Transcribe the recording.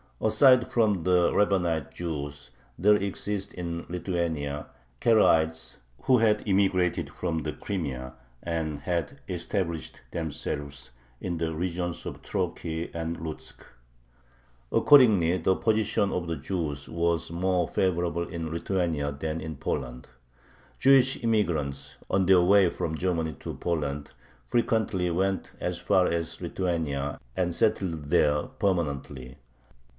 Aside from the Rabbanite Jews there existed in Lithuania Karaites, who had immigrated from the Crimea, and had established themselves in the regions of Troki and Lutzk. Accordingly the position of the Jews was more favorable in Lithuania than in Poland. Jewish immigrants, on their way from Germany to Poland, frequently went as far as Lithuania and settled there permanently.